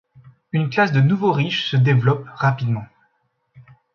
Une classe de nouveaux riches se développe rapidement.